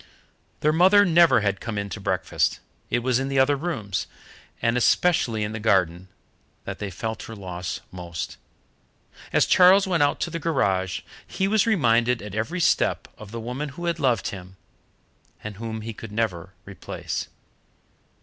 Their mother never had come in to breakfast. It was in the other rooms, and especially in the garden, that they felt her loss most. As Charles went out to the garage, he was reminded at every step of the woman who had loved him and whom he could never replace.